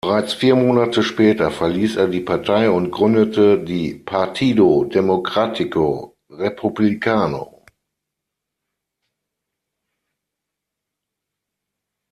Bereits vier Monate später verließ er die Partei und gründete die Partido Democrático Republicano.